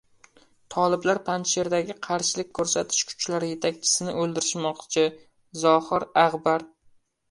Toliblar Panjsherdagi qarshilik ko‘rsatish kuchlari yetakchisini o‘ldirishmoqchi - Zohir Ag‘bar